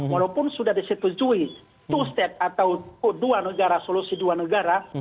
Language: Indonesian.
walaupun sudah disetujui to state atau dua negara solusi dua negara